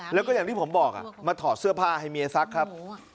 แล้วก็อย่างที่ผมบอกมาถอดเสื้อผ้าให้เมียซักครับ